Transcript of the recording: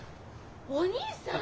お義兄さん！